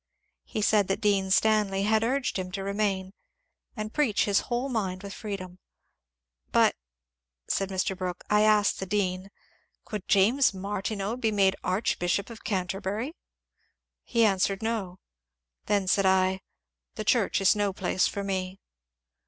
He said that Dean Stanley had urged him to remain and preach his whole mind with freedom. ^^But,*' said Mr. Brooke, ^^ I asked the dean :^ Could James Mar tineau be made Archbishop of Canterbury?* He answered, * No.' Then said I, * The church is no place for me.'